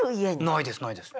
ないですないです。